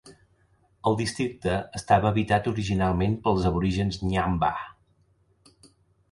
El districte estava habitat originalment pels aborígens Ngiyambaa.